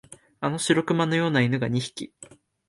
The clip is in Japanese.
あの白熊のような犬が二匹、